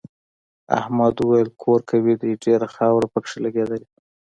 احمد وویل کور قوي دی ډېره خاوره پکې لگېدلې.